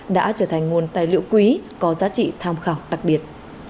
đã trở thành nguồn tài liệu quý có giá trị tham khảo đặc biệt